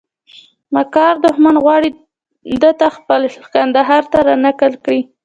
مکار دښمن غواړي دته خېل کندهار ته رانقل کړي.